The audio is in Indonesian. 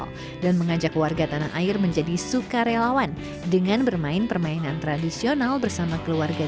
orang tua yang masuk ke minat anak remajanya